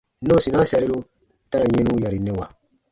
Nɔɔsinaa sariru ta ra yɛnu yarinɛwa.